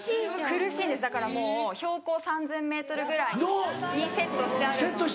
苦しいんですだからもう標高３０００ｍぐらいにセットしてあるので。